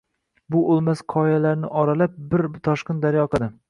Bu oʻlmas qoyalarni oralab, bir toshqin daryo oqadi